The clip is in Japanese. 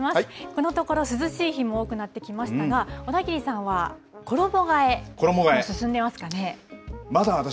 このところ涼しい日も多くなってきましたが、小田切さんは衣がえ、進んでますかね。